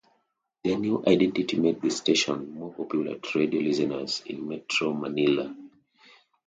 Their new identity made the station more popular to radio listeners in Metro Manila.